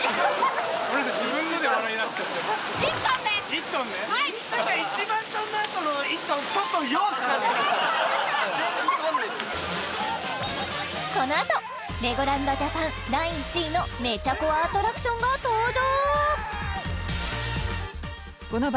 １トンねこのあとレゴランド・ジャパン第１位のめちゃこわアトラクションが登場！